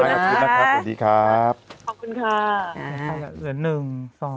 ครับผมครับขอบคุณนะครับสวัสดีครับขอบคุณค่ะเหลือหนึ่งสอง